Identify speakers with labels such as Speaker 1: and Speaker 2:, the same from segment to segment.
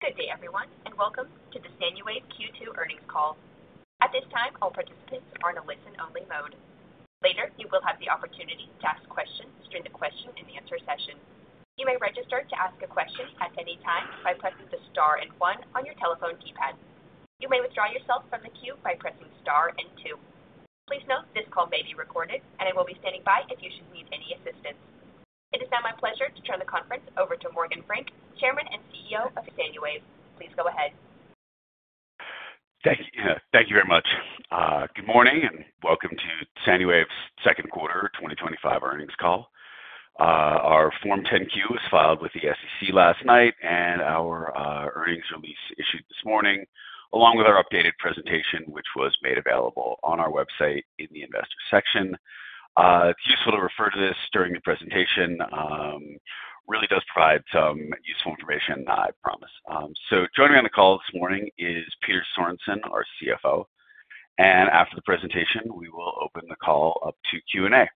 Speaker 1: Good day, everyone, and welcome to the SANUWAVE Q2 Earnings Call. At this time, all participants are in a listen-only mode. Later, you will have the opportunity to ask questions during the question and answer session. You may register to ask a question at any time by pressing the star and one on your telephone keypad. You may withdraw yourself from the queue by pressing star and two. Please note, this call may be recorded, and I will be standing by if you need any assistance. It is now my pleasure to turn the conference over to Morgan Frank, Chairman and CEO of SANUWAVE. Please go ahead.
Speaker 2: Thank you very much. Good morning and welcome to SANUWAVE's Second Quarter 2025 Earnings Call. Our Form 10-Q was filed with the SEC last night, and our earnings release issued this morning, along with our updated presentation, which was made available on our website in the investor section. It's useful to refer to this during the presentation. It really does provide some useful information, I promise. Joining me on the call this morning is Peter Sorensen, our CFO. After the presentation, we will open the call up to Q&A.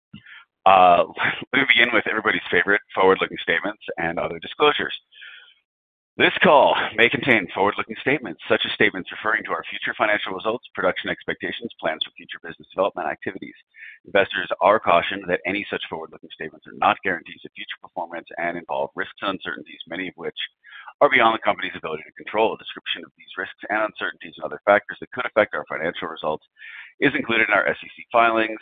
Speaker 2: We are going to begin with everybody's favorite forward-looking statements and other disclosures. This call may contain forward-looking statements, such as statements referring to our future financial results, production expectations, and plans for future business development activities. Investors are cautioned that any such forward-looking statements are not guarantees of future performance and involve risks and uncertainties, many of which are beyond the company's ability to control. A description of these risks and uncertainties and other factors that could affect our financial results is included in our SEC filings.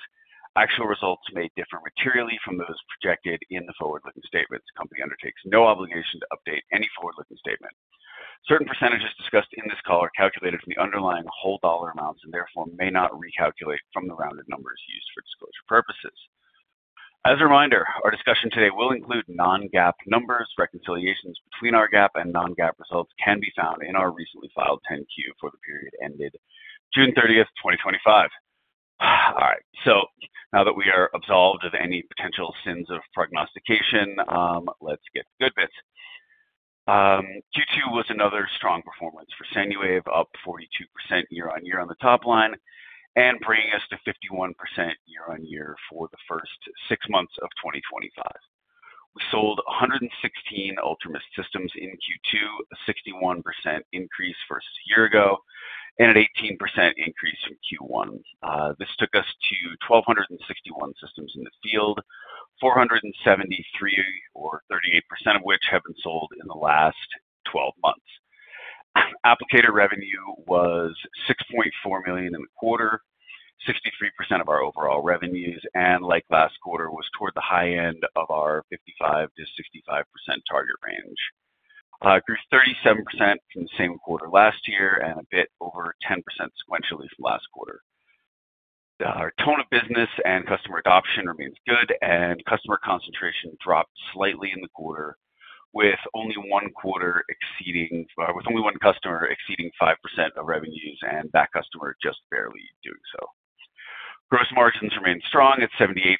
Speaker 2: Actual results may differ materially from those projected in the forward-looking statements. The company undertakes no obligation to update any forward-looking statement. Certain percentages discussed in this call are calculated from the underlying whole dollar amounts and therefore may not recalculate from the rounded numbers used for disclosure purposes. As a reminder, our discussion today will include non-GAAP numbers. Reconciliations between our GAAP and non-GAAP results can be found in our recently filed 10-Q for the period ended June 30th, 2025. All right. Now that we are absolved of any potential sins of prognostication, let's get to good bits. Q2 was another strong performance for SANUWAVE up 42% year-on-year on the top line and bringing us to 51% year-on-year for the first six months of 2025. We sold 116 UltraMIST systems in Q2, a 61% increase versus a year ago, and an 18% increase from Q1. This took us to 1,261 systems in the field, 473, or 38% of which have been sold in the last 12 months. Applicator revenue was $6.4 million in the quarter, 63% of our overall revenues, and like last quarter, was toward the high end of our 55%-65% target range. Grew 37% from the same quarter last year and a bit over 10% sequentially from last quarter. Our tone of business and customer adoption remains good, and customer concentration dropped slightly in the quarter, with only one customer exceeding 5% of revenues and that customer just barely doing so. Gross margins remain strong at 78.3%,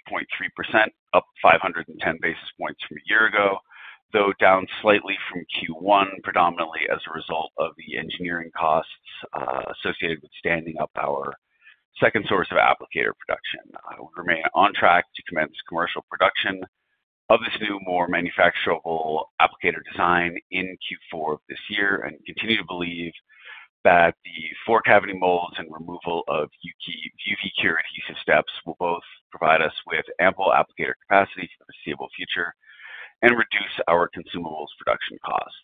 Speaker 2: up 510 basis points from a year ago, though down slightly from Q1, predominantly as a result of the engineering costs associated with standing up our second source of applicator production. We remain on track to commence commercial production of this new, more manufacturable applicator design in Q4 of this year, and continue to believe that the four-cavity mold and removal of UV cure adhesive steps will both provide us with ample applicator capacity for the foreseeable future and reduce our consumables production costs.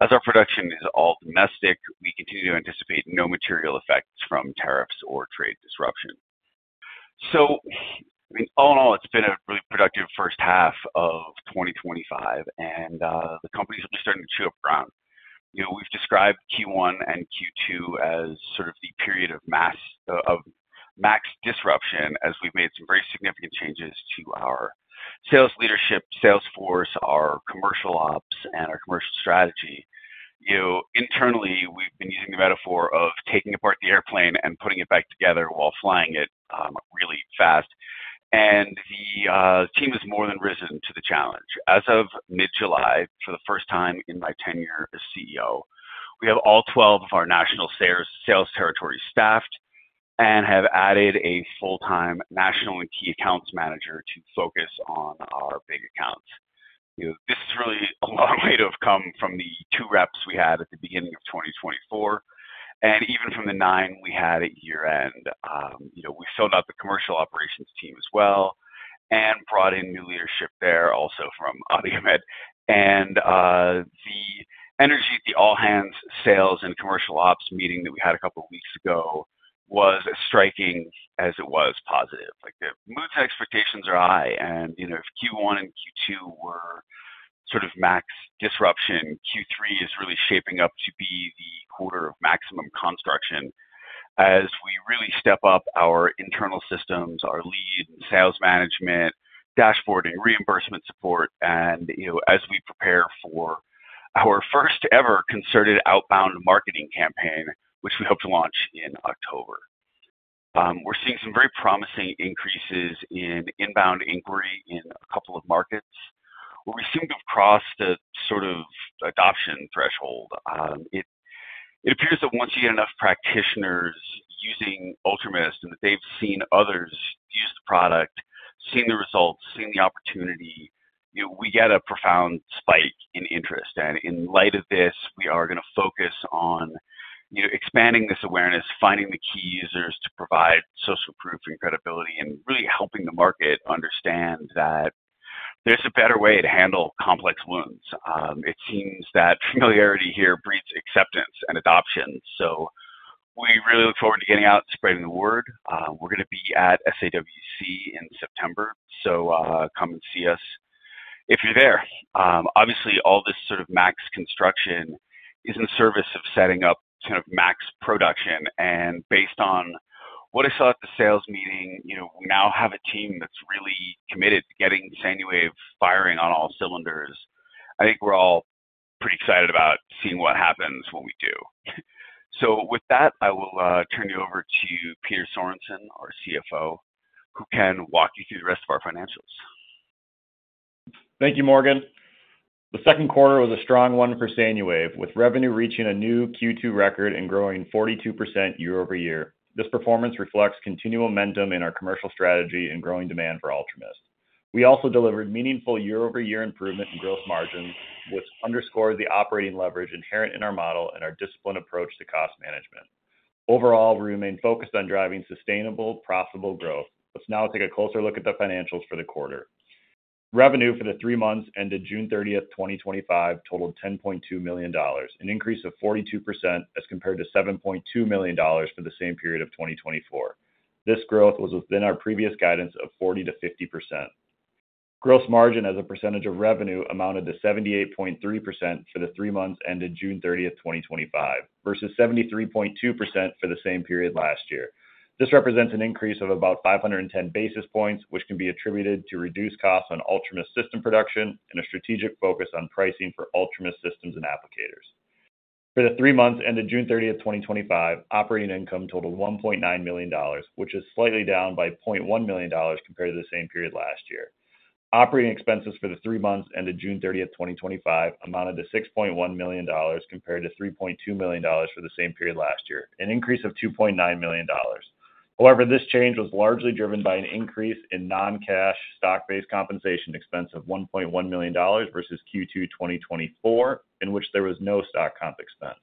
Speaker 2: As our production is all domestic, we continue to anticipate no material effects from tariffs or trade disruption. All in all, it's been a really productive first half of 2025, and the company is just starting to chew up ground. We've described Q1 and Q2 as sort of the period of max disruption, as we've made some very significant changes to our sales leadership, sales force, our commercial ops, and our commercial strategy. Internally, we've been using the metaphor of taking apart the airplane and putting it back together while flying it really fast. The team has more than risen to the challenge. As of mid-July, for the first time in my tenure as CEO, we have all 12 of our national sales territories staffed and have added a full-time national and key accounts manager to focus on our big accounts. This is really a long way to have come from the two reps we had at the beginning of 2024, and even from the nine we had at year-end. We've filled out the commercial operations team as well and brought in new leadership there also from Audiomed. The energy at the all-hands sales and commercial ops meeting that we had a couple of weeks ago was as striking as it was positive. The moods and expectations are high, and if Q1 and Q2 were sort of max disruption, Q3 is really shaping up to be the quarter of maximum construction as we really step up our internal systems, our lead sales management, dashboarding, reimbursement support, and as we prepare for our first ever concerted outbound marketing campaign, which we hope to launch in October. We're seeing some very promising increases in inbound inquiry in a couple of markets where we seem to have crossed a sort of adoption threshold. It appears that once you get enough practitioners using UltraMIST and that they've seen others use the product, seen the results, seen the opportunity, we get a profound spike in interest. In light of this, we are going to focus on expanding this awareness, finding the key users to provide social proof and credibility, and really helping the market understand that there's a better way to handle complex wounds. It seems that familiarity here breeds acceptance and adoption. We really look forward to getting out and spreading the word. We're going to be at SAWC in September, so come and see us if you're there. Obviously, all this sort of max construction is in service of setting up max production. Based on what I saw at the sales meeting, we now have a team that's really committed to getting SANUWAVE firing on all cylinders. I think we're all pretty excited about seeing what happens when we do. With that, I will turn you over to Peter Sorensen, our CFO, who can walk you through the rest of our financials.
Speaker 3: Thank you, Morgan. The second quarter was a strong one for SANUWAVE, with revenue reaching a new Q2 record and growing 42% year-over-year. This performance reflects continued momentum in our commercial strategy and growing demand for UltraMIST. We also delivered meaningful year-over-year improvement in gross margin, which underscores the operating leverage inherent in our model and our disciplined approach to cost management. Overall, we remain focused on driving sustainable, profitable growth. Let's now take a closer look at the financials for the quarter. Revenue for the three months ended June 30th, 2025 totaled $10.2 million, an increase of 42% as compared to $7.2 million for the same period of 2024. This growth was within our previous guidance of 40%-50%. Gross margin as a percentage of revenue amounted to 78.3% for the three months ended June 30th, 2025, versus 73.2% for the same period last year. This represents an increase of about 510 basis points, which can be attributed to reduced costs on UltraMIST system production and a strategic focus on pricing for UltraMIST systems and applicators. For the three months ended June 30th, 2025, operating income totaled $1.9 million, which is slightly down by $0.1 million compared to the same period last year. Operating expenses for the three months ended June 30th, 2025 amounted to $6.1 million compared to $3.2 million for the same period last year, an increase of $2.9 million. However, this change was largely driven by an increase in non-cash stock-based compensation expense of $1.1 million versus Q2 2024, in which there was no stock comp expense,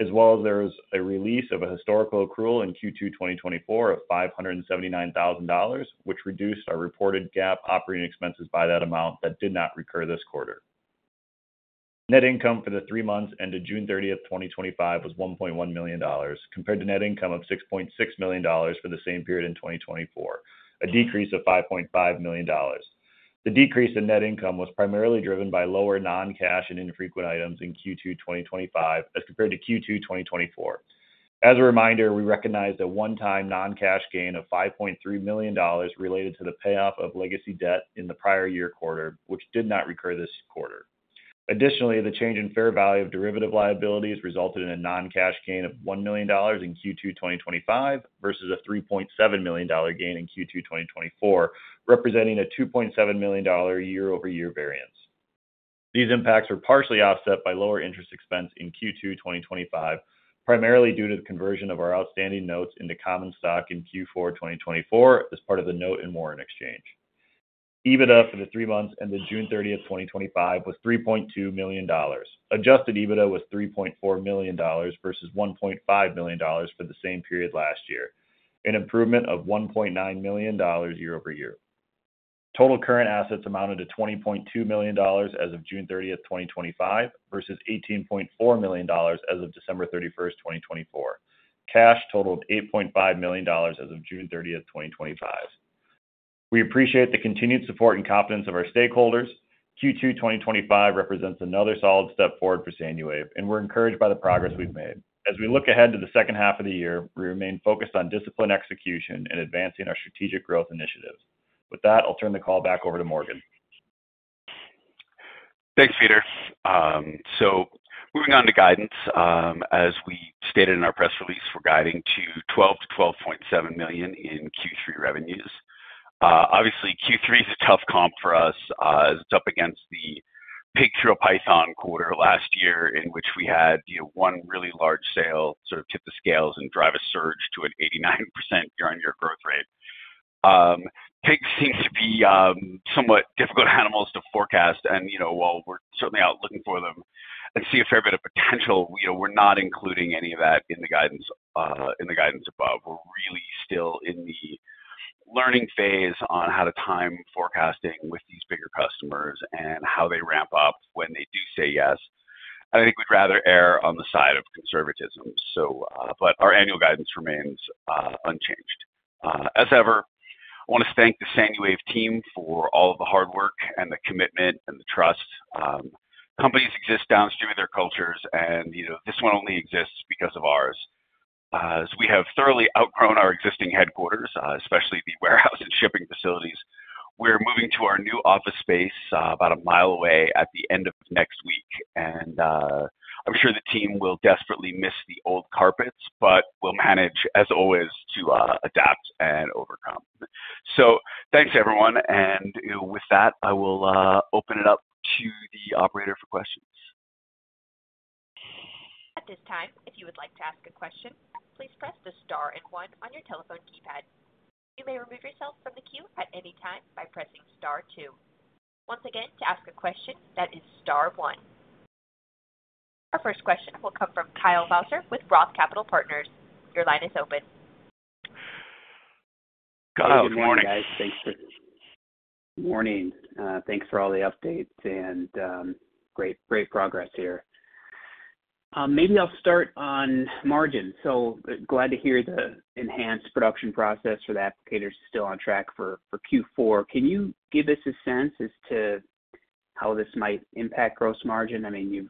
Speaker 3: as well as there was a release of a historical accrual in Q2 2024 of $579,000, which reduced our reported GAAP operating expenses by that amount that did not recur this quarter. Net income for the three months ended June 30th, 2025 was $1.1 million compared to net income of $6.6 million for the same period in 2024, a decrease of $5.5 million. The decrease in net income was primarily driven by lower non-cash and infrequent items in Q2 2025 as compared to Q2 2024. As a reminder, we recognize the one-time non-cash gain of $5.3 million related to the payoff of legacy debt in the prior year quarter, which did not recur this quarter. Additionally, the change in fair value of derivative liabilities resulted in a non-cash gain of $1 million in Q2 2025 versus a $3.7 million gain in Q2 2024, representing a $2.7 million year-over-year variance. These impacts were partially offset by lower interest expense in Q2 2025, primarily due to the conversion of our outstanding notes into common stock in Q4 2024 as part of the note and warrant exchange. EBITDA for the three months ended June 30th, 2025 was $3.2 million. Adjusted EBITDA was $3.4 million versus $1.5 million for the same period last year, an improvement of $1.9 million year-over-year. Total current assets amounted to $20.2 million as of June 30th, 2025, versus $18.4 million as of December 31st, 2024. Cash totaled $8.5 million as of June 30th, 2025. We appreciate the continued support and confidence of our stakeholders. Q2 2025 represents another solid step forward for SANUWAVE, and we're encouraged by the progress we've made. As we look ahead to the second half of the year, we remain focused on disciplined execution and advancing our strategic growth initiatives. With that, I'll turn the call back over to Morgan.
Speaker 2: Thanks, Peter. Moving on to guidance, as we stated in our press release, we're guiding to $12 million to $12.7 million in Q3 revenues. Obviously, Q3 is a tough comp for us. It's up against the peak through a python quarter last year, in which we had one really large sale sort of tip the scales and drive a surge to an 89% year-on-year growth rate. Pigs seem to be somewhat difficult animals to forecast, and while we're certainly out looking for them and see a fair bit of potential, we're not including any of that in the guidance above. We're really still in the learning phase on how to time forecasting with these bigger customers and how they ramp up when they do say yes. I think we'd rather err on the side of conservatism. Our annual guidance remains unchanged. As ever, I want to thank the SANUWAVE team for all of the hard work and the commitment and the trust. Companies exist downstream of their cultures, and this one only exists because of ours. As we have thoroughly outgrown our existing headquarters, especially the warehouse and shipping facilities, we are moving to our new office space about a mile away at the end of next week. I'm sure the team will desperately miss the old carpets, but we'll manage, as always, to adapt and overcome. Thanks, everyone. With that, I will open it up to the operator for questions.
Speaker 1: At this time, if you would like to ask a question, please press the star and one on your telephone keypad. You may remove yourself from the queue at any time by pressing star two. Once again, to ask a question, that is star one. Our first question will come from Kyle Bauser with Roth Capital Partners. Your line is open.
Speaker 4: Good morning, guys. Thanks for the updates and great progress here. Maybe I'll start on margin. It's glad to hear the enhanced production process for the applicators is still on track for Q4. Can you give us a sense as to how this might impact gross margin? I mean,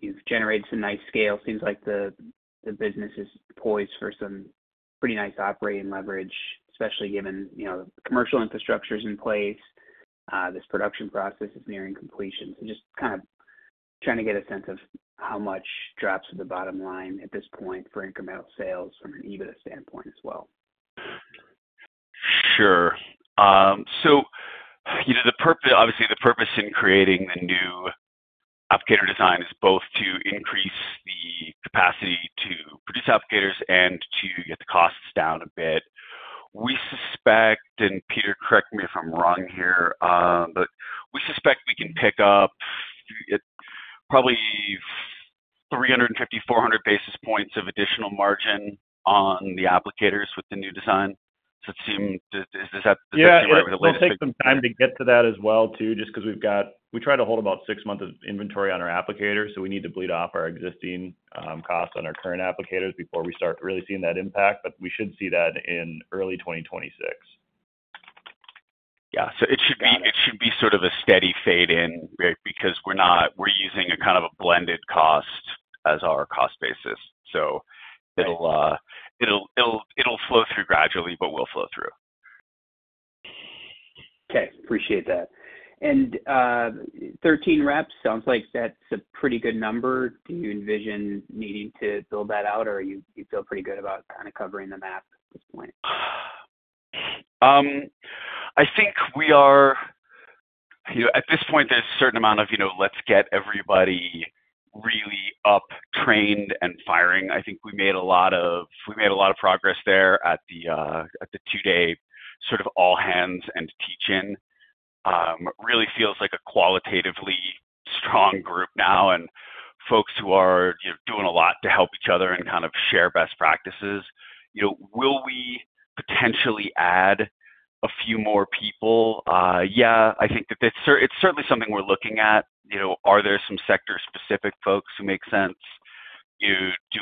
Speaker 4: you've generated some nice scales. Seems like the business is poised for some pretty nice operating leverage, especially given the commercial infrastructure is in place. This production process is nearing completion. Just trying to get a sense of how much drops to the bottom line at this point for incremental sales from an EBITDA standpoint as well.
Speaker 2: Sure. Obviously, the purpose in creating the new applicator design is both to increase the capacity to produce applicators and to get the costs down a bit. We suspect, and Peter, correct me if I'm wrong here, but we suspect we can pick up probably 350, 400 basis points of additional margin on the applicators with the new design. Is this up to where we're headed?
Speaker 3: It's going to take some time to get to that as well too just because we've got. We try to hold about six months of inventory on our applicators, so we need to bleed off our existing costs on our current applicators before we start really seeing that impact. We should see that in early 2026.
Speaker 2: It should be sort of a steady fade in because we're using a blended cost as our cost basis. It'll flow through gradually, but we'll flow through.
Speaker 4: Okay, appreciate that. Thirteen reps, sounds like that's a pretty good number. Do you envision needing to build that out, or do you feel pretty good about covering the map?
Speaker 2: I think at this point, there's a certain amount of, let's get everybody really up, trained, and firing. I think we made a lot of progress there at the two-day sort of all-hands and teach-in. It really feels like a qualitatively strong group now and folks who are doing a lot to help each other and kind of share best practices. Will we potentially add a few more people? Yeah, I think that it's certainly something we're looking at. Are there some sector-specific folks who make sense? Do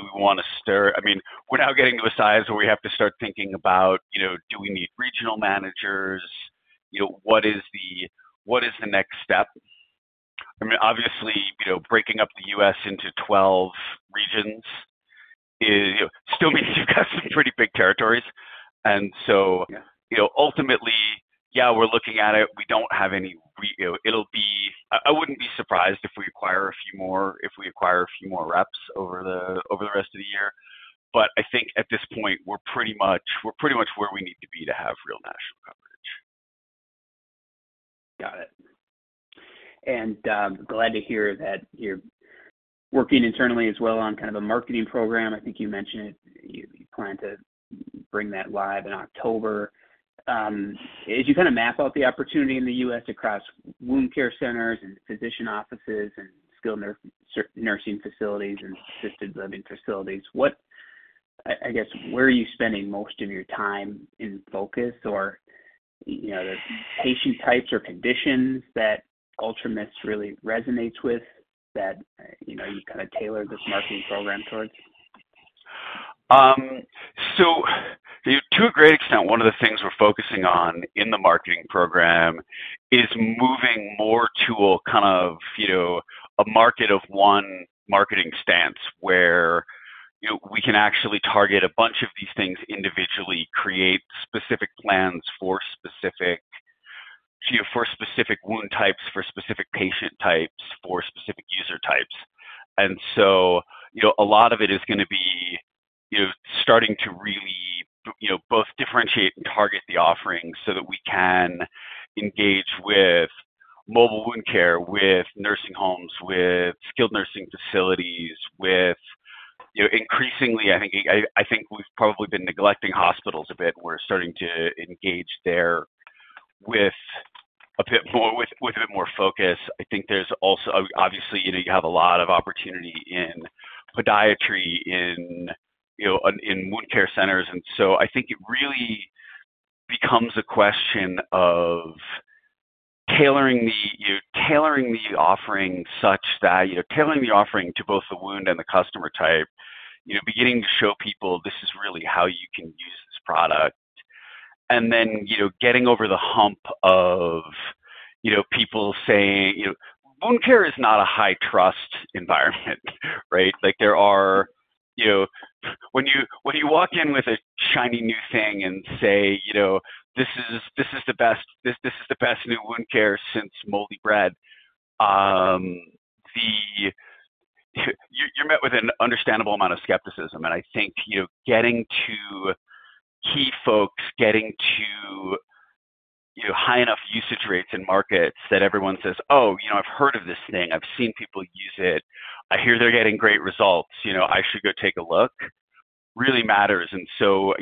Speaker 2: we want to start? I mean, we're now getting to a size where we have to start thinking about, do we need regional managers? What is the next step? I mean, obviously, breaking up the U.S. into 12 regions still means you've got some pretty big territories. Ultimately, yeah, we're looking at it. We don't have any. I wouldn't be surprised if we acquire a few more. If we acquire a few more reps over the rest of the year. I think at this point, we're pretty much where we need to be to have real national coverage.
Speaker 4: Got it. Glad to hear that you're working internally as well on a marketing program. I think you mentioned it, you plan to bring that live in October. As you kind of map out the opportunity in the U.S. across wound care centers and physician offices and skilled nursing facilities and assisted living facilities, I guess, where are you spending most of your time in focus or the patient types or conditions that UltraMIST really resonates with that you tailored this marketing program towards?
Speaker 2: To a great extent, one of the things we're focusing on in the marketing program is moving more to a market of one marketing stance where we can actually target a bunch of these things individually, create specific plans for specific wound types, for specific patient types, for specific user types. A lot of it is going to be starting to really both differentiate and target the offerings so that we can engage with mobile wound care, with nursing homes, with skilled nursing facilities. Increasingly, I think we've probably been neglecting hospitals a bit. We're starting to engage there with a bit more focus. I think there's also, obviously, a lot of opportunity in podiatry, in wound care centers. I think it really becomes a question of tailoring the offering to both the wound and the customer type, beginning to show people this is really how you can use this product. Getting over the hump of people saying wound care is not a high trust environment, right? When you walk in with a shiny new thing and say, "This is the best new wound care since moldy bread." You're met with an understandable amount of skepticism. I think getting to key folks, getting to high enough usage rates in markets that everyone says, "Oh, I've heard of this thing, I've seen people use it, I hear they're getting great results, I should go take a look," really matters. Some of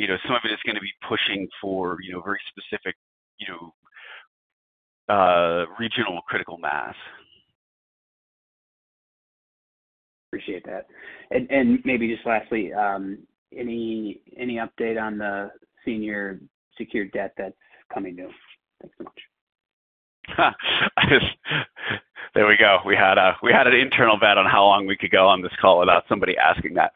Speaker 2: it is going to be pushing for very specific regional critical mass.
Speaker 4: Appreciate that. Maybe just lastly, any update on the senior secured debt that's coming new?
Speaker 2: There we go. We had an internal bet on how long we could go on this call without somebody asking that.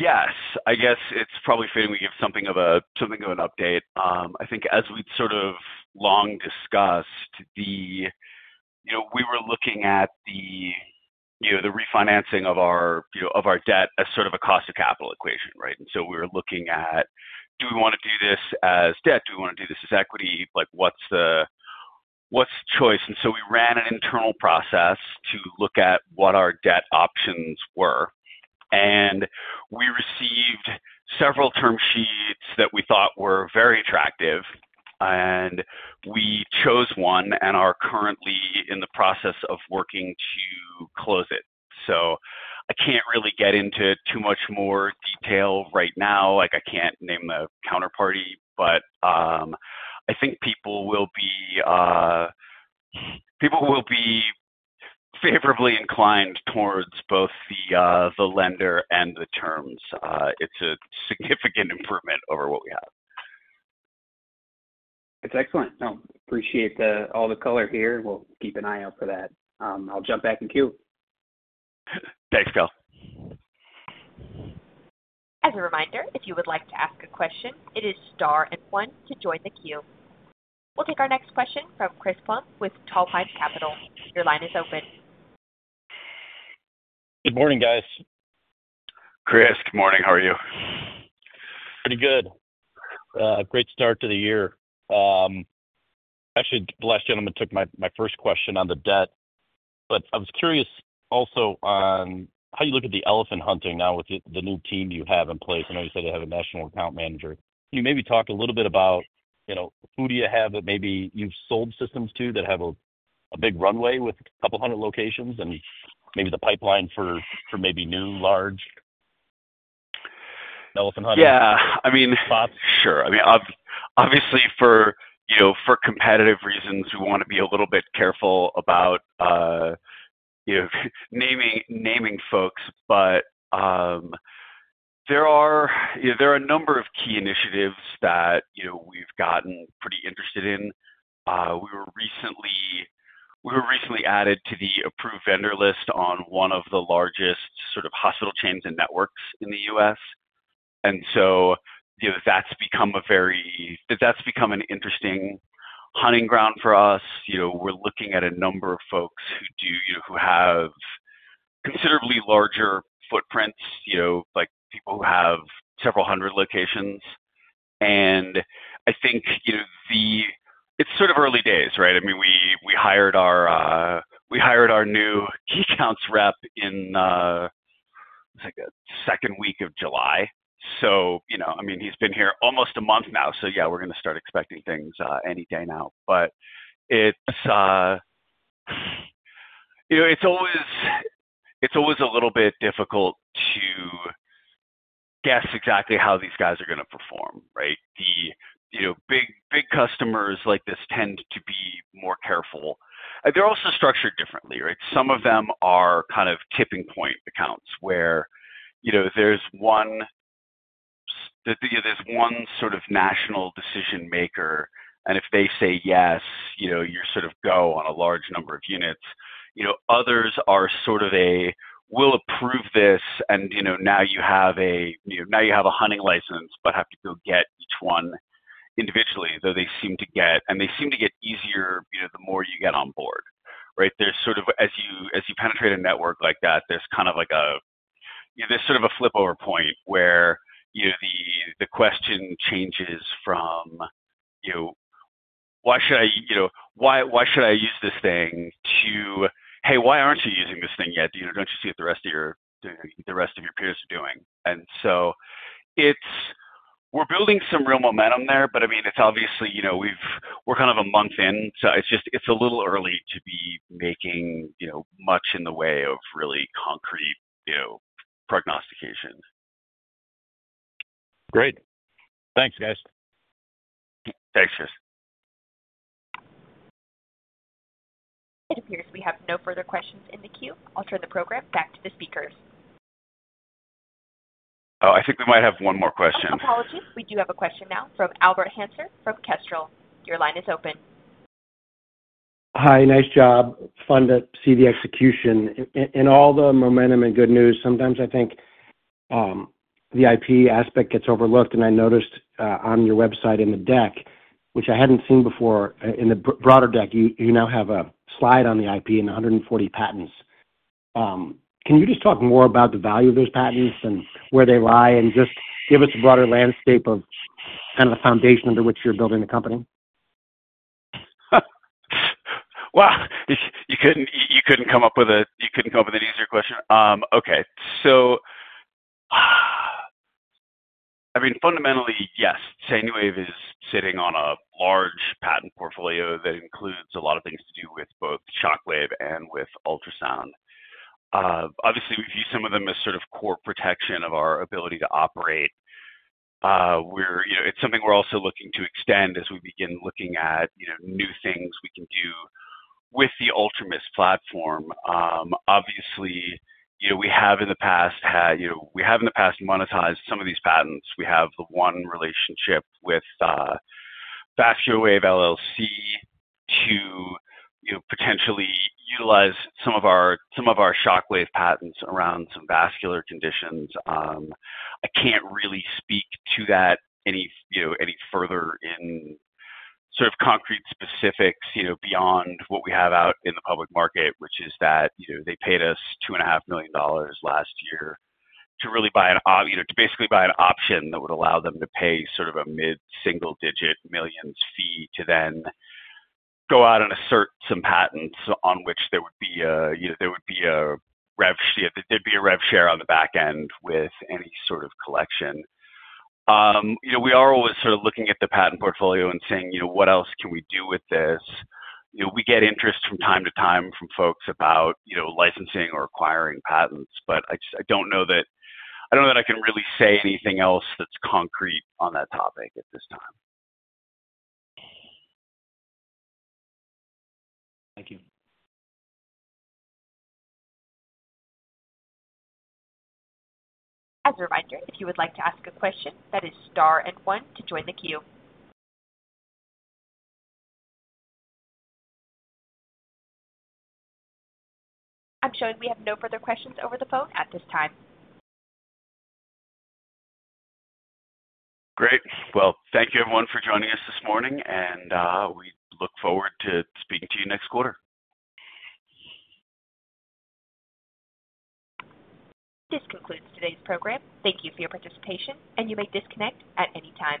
Speaker 2: Yes, I guess it's probably fitting we give something of an update. I think as we sort of long discussed, we were looking at the refinancing of our debt as sort of a cost of capital equation, right? We were looking at, do we want to do this as debt? Do we want to do this as equity? What's the choice? We ran an internal process to look at what our debt options were. We received several term sheets that we thought were very attractive. We chose one and are currently in the process of working to close it. I can't really get into too much more detail right now. I can't name the counterparty, but I think people will be favorably inclined towards both the lender and the terms. It's a significant improvement over what we have.
Speaker 4: It's excellent. I appreciate all the color here, and we'll keep an eye out for that. I'll jump back in queue.
Speaker 2: Thanks, Kyle.
Speaker 1: As a reminder, if you would like to ask a question, it is star and one to join the queue. We'll take our next question from Chris Plahm with Tall Pines Capital. Your line is open.
Speaker 5: Good morning, guys.
Speaker 2: Chris, good morning. How are you?
Speaker 5: Pretty good, great start to the year. Actually, the last gentleman took my first question on the debt, but I was curious also on how you look at the elephant hunting now with the new team you have in place. I know you said you have a National Account Manager. Can you maybe talk a little bit about, who do you have that maybe you've sold systems to that have a big runway with a couple hundred locations and maybe the pipeline for maybe new large elephant hunting spots?
Speaker 2: Yeah, I mean, sure. Obviously, for competitive reasons, we want to be a little bit careful about naming folks. There are a number of key initiatives that we've gotten pretty interested in. We were recently added to the approved vendor list on one of the largest hospital chains and networks in the U.S., and that's become a very interesting hunting ground for us. We're looking at a number of folks who have considerably larger footprints, like people who have several hundred locations. I think it's sort of early days, right? We hired our new key accounts rep in, it's like the second week of July. He's been here almost a month now. We're going to start expecting things any day now. It's always a little bit difficult to guess exactly how these guys are going to perform. Big customers like this tend to be more careful. They're also structured differently. Some of them are tipping point accounts where there's one national decision maker, and if they say yes, you go on a large number of units. Others are sort of a, "We'll approve this," and now you have a hunting license but have to go get each one individually, though they seem to get easier the more you get on board. As you penetrate a network like that, there's a flipover point where the question changes from, "Why should I use this thing?" To, "Hey, why aren't you using this thing yet? Don't you see what the rest of your peers are doing?" We're building some real momentum there, but it's obviously, we're a month in. It's just a little early to be making much in the way of really concrete prognostication.
Speaker 5: Great. Thanks, guys.
Speaker 2: Thanks, Chris.
Speaker 1: It appears we have no further questions in the queue. I'll turn the program back to the speakers.
Speaker 2: I think we might have one more question.
Speaker 1: Apologies. We do have a question now from Albert Hanser from Kestrel, your line is open.
Speaker 6: Hi, nice job. Fun to see the execution. In all the momentum and good news, sometimes I think the IP aspect gets overlooked. I noticed on your website in the deck, which I hadn't seen before, in the broader deck, you now have a slide on the IP and 140 patents. Can you just talk more about the value of those patents and where they lie and just give us a broader landscape of the foundation under which you're building the company?
Speaker 2: Wow. You couldn't come up with an easier question. Okay. Fundamentally, yes, SANUWAVE is sitting on a large patent portfolio that includes a lot of things to do with both shockwave and with ultrasound. Obviously, we view some of them as sort of core protection of our ability to operate. It's something we're also looking to extend as we begin looking at new things we can do with the UltraMIST platform. Obviously, we have in the past monetized some of these patents. We have the one relationship with Vascular Wave LLC to potentially utilize some of our shockwave patents around some vascular conditions. I can't really speak to that any further in concrete specifics beyond what we have out in the public market, which is that they paid us $2.5 million last year to basically buy an option that would allow them to pay a mid-single-digit millions fee to then go out and assert some patents on which there would be a rev share on the back end with any sort of collection. We are always looking at the patent portfolio and saying, what else can we do with this? We get interest from time to time from folks about licensing or acquiring patents, but I don't know that I can really say anything else that's concrete on that topic at this time.
Speaker 6: Thank you.
Speaker 1: As a reminder, if you would like to ask a question, that is star and one to join the queue. I'm sure we have no further questions over the phone at this time.
Speaker 2: Great. Thank you everyone for joining us this morning, and we look forward to speaking to you next quarter.
Speaker 1: This concludes today's program. Thank you for your participation, and you may disconnect at any time.